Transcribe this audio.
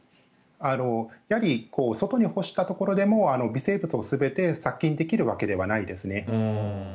やはり外に干したところでも微生物を全て殺菌できるわけではないですね。